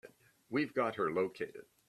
We've got her located.